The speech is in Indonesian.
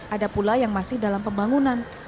ada pula yang masih dalam pembangunan